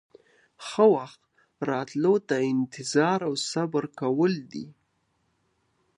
د ښه وخت راتلو ته انتظار او صبر کول دي.